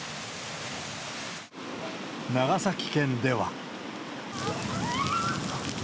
長崎県では。